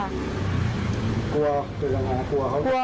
กลัวคือกูอังนังนะกลัวเขา